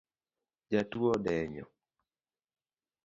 Jatuo odenyo